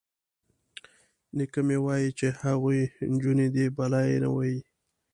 _نيکه مې وايي چې هغوی نجونې دي، بلا يې نه وهي.